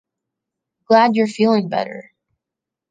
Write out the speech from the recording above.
Glad you're feeling better.